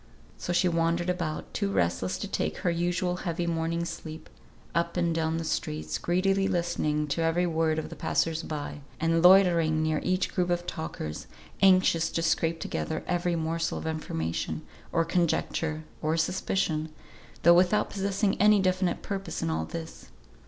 So she wandered about, too restless to take her usual heavy morning's sleep, up and down the streets, greedily listening to every word of the passers by, and loitering near each group of talkers, anxious to scrape together every morsel of information, or conjecture, or suspicion, though without possessing any definite purpose in all this.